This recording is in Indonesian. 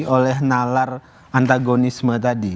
oleh nalar antagonisme tadi